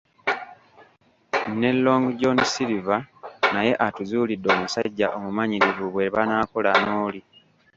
Ne Long John Silver naye atuzuulidde omusajja omumanyirivu bwe banaakola n'oli.